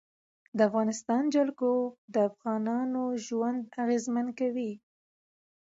د افغانستان جلکو د افغانانو ژوند اغېزمن کوي.